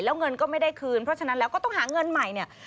แล้วเงินก็ไม่ได้คืนเพราะฉะนั้นแล้วก็ต้องหาเงินใหม่เนี่ย